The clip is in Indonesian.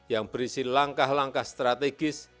yang berisi langkah langkah strategis